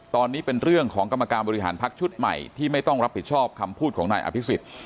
ตอนนี้เป็นเรื่องของกรรมการบริหารพักชุดใหม่ที่ไม่ต้องรับผิดชอบคำพูดของนายอภิษฎ